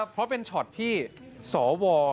เพราะเป็นช็อตที่สว